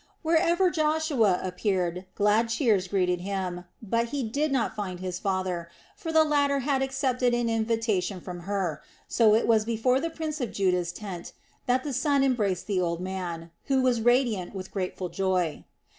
Wherever Joshua appeared glad cheers greeted him; but he did not find his father, for the latter had accepted an invitation from Hur, so it was before the prince of Judah's tent that the son embraced the old man, who was radiant with grateful joy.